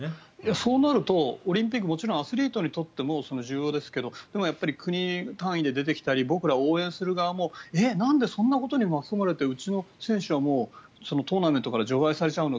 そうなるとオリンピックはもちろんアスリートにとっても重要ですが、国単位で出てきたり僕ら応援する側もなんでそんなことに巻き込まれてうちの選手はもうトーナメントから除外されちゃうの？